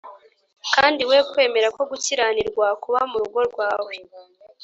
kandi we kwemera ko gukiranirwa kuba mu rugo rwawe